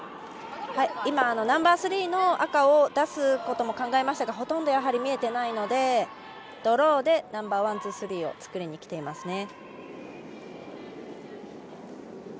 ナンバースリーの赤を出すことも考えましたがほとんどやはり見えていないのでドローでナンバーワンツー、スリーを作りにきています。